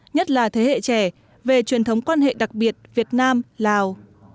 nhất là thế hệ trẻ về truyền thống quan hệ đặc biệt việt nam lào